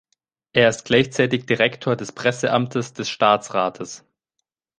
Er ist gleichzeitig Direktor des Presseamtes des Staatsrates.